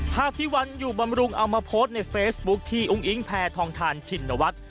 ภาพที่วันอยู่บำรุงเอามาโพสต์ในเฟซบุ๊คที่อุ้งอิงแพทองทานชินวัฒน์